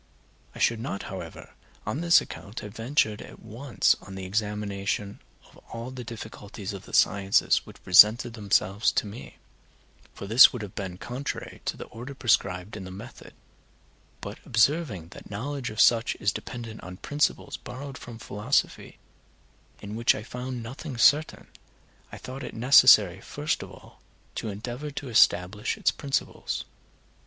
I should not, however, on this account have ventured at once on the examination of all the difficulties of the sciences which presented themselves to me, for this would have been contrary to the order prescribed in the method, but observing that the knowledge of such is dependent on principles borrowed from philosophy, in which I found nothing certain, I thought it necessary first of all to endeavor to establish its principles.